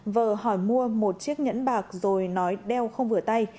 vờ hỏi mua một chiếc nhẫn bạc rồi nói đeo không vừa tay